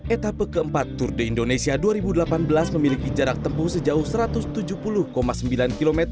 etapa keempat tour de indonesia dua ribu delapan belas memiliki jarak tempuh sejauh satu ratus tujuh puluh sembilan km